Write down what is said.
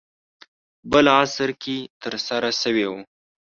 بل عصر کې ترسره شوی و.